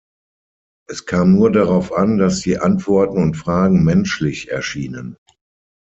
Es kam nur darauf an, dass die Antworten und Fragen „menschlich“ erschienen.